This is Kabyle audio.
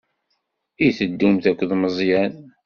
I teddumt akked Meẓyan?